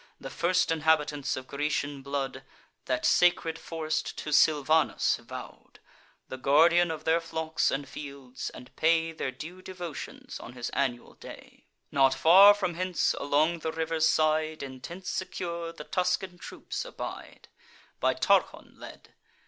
The first inhabitants of Grecian blood, That sacred forest to Silvanus vow'd, The guardian of their flocks and fields; and pay Their due devotions on his annual day. Not far from hence, along the river's side, In tents secure, the Tuscan troops abide, By Tarchon led.